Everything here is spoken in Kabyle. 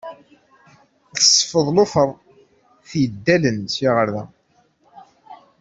Tseffeḍ lufar t-yeddalen sya ɣer da.